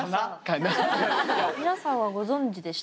皆さんはご存じでした？